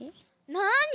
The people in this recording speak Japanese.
なに？